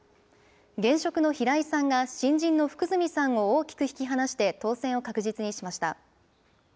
現職の平井さんが、新人の福住さんを大きく引き離して当選を確実にしました。